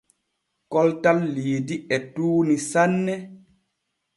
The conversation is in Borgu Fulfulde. Koltal Liidi e tuuni sanne.